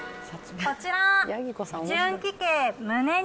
こちら。